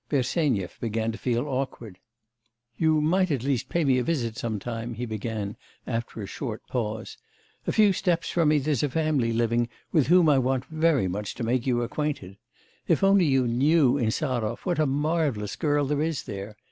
Bersenyev began to feel awkward. 'You might at least pay me a visit sometime,' he began, after a short pause. 'A few steps from me there's a family living with whom I want very much to make you acquainted. If only you knew, Insarov, what a marvellous girl there is there!